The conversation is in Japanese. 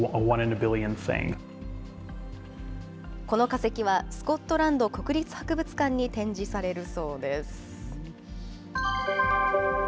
この化石は、スコットランド国立博物館に展示されるそうです。